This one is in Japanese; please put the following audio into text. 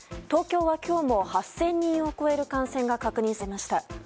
東京は今日も８０００人を超える感染が確認されました。